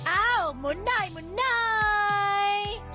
อ้าวหมุนหน่อยหมุนหน่อย